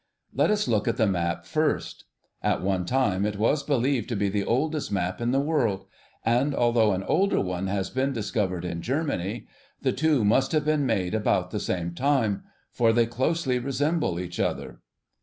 Let us look at the map first. At one time it was believed to be the oldest map in the world, and although an older one has been discovered in Germany, the two must have been made about the same time, for they closely resemble each other.